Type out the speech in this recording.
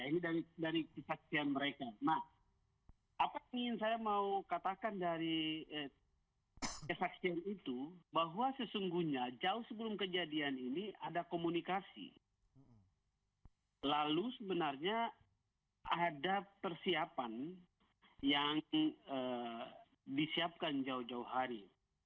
ini dari kesaksian mereka nah apa yang ingin saya mau katakan dari kesaksian itu bahwa sesungguhnya jauh sebelum kejadian ini ada komunikasi lalu sebenarnya ada persiapan yang disiapkan jauh jauh hari